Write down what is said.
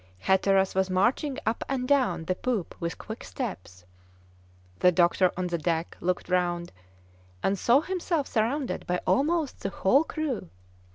Hatteras was marching up and down the poop with quick steps. The doctor, on the deck, looked round, and saw himself surrounded by almost the whole crew.